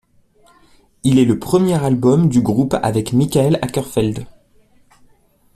Il est le premier album du groupe avec Mikael Åkerfeldt.